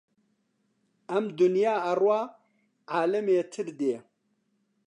ئەم دونیا ئەڕوا عالەمێتر دێ